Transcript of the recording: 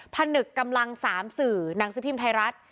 ผนึกกำลัง๓สื่อหนังสือพิมพ์ไทยรัฐ